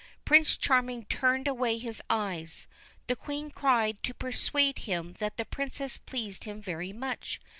Prince Charming turned away his eyes ; the Queen tried to persuade him that the Princess pleased him very much.